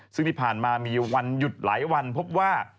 ซึ่งที่ผ่านมามีวันหยุดหลายวันพบว่า